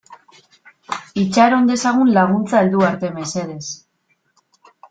Itxaron dezagun laguntza heldu arte, mesedez.